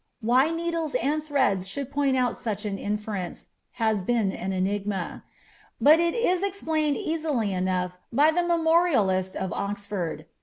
Why needles and threads should point out such an inference, baa been an enigma ; but it is explained easily enough by the memorial iat of Oxfonl.